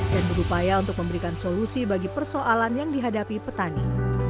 dan berupaya untuk memberikan solusi bagi persoalan yang dihadapi petani